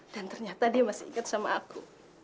dan ternyata dia masih ingat sama aku